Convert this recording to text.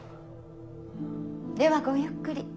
ではごゆっくり。